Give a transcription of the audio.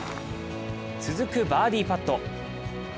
続くバーディーパット。